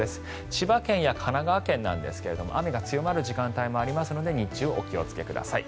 千葉県や神奈川県なんですが雨が強まる時間帯もありますので日中、お気をつけください。